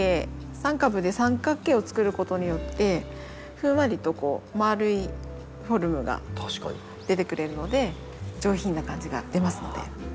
３株で三角形を作ることによってふんわりと丸いフォルムが出てくれるので上品な感じが出ますので。